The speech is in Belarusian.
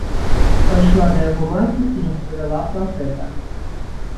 Пайшла да яго маці і распавяла пра гэта.